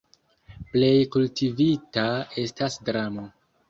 Plej kultivita estas dramo.